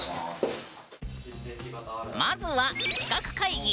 まずは企画会議。